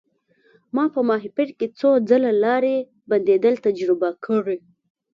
ما په ماهیپر کې څو ځله لارې بندیدل تجربه کړي.